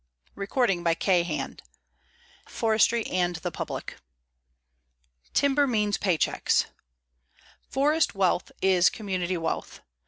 CHAPTER I FORESTRY AND THE PUBLIC TIMBER MEANS PAY CHECKS _Forest wealth is community wealth.